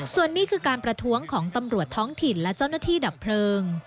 ส่วนนี้คือการประท้วงของตำรวจท้องถิ่นและเจ้าหน้าที่ดับเพลิง